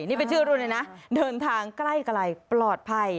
นี่เป็นชื่อรุ่นเลยนะเดินทางใกล้ปลอดภัย